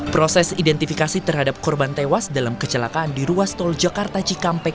proses identifikasi terhadap korban tewas dalam kecelakaan di ruas tol jakarta cikampek